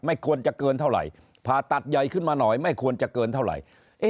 ควรจะเกินเท่าไหร่ผ่าตัดใหญ่ขึ้นมาหน่อยไม่ควรจะเกินเท่าไหร่